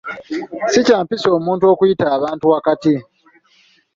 Si kya mpisa omuntu okuyita abantu wakati.